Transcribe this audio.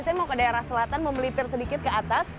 saya mau ke daerah selatan mau melipir sedikit ke atas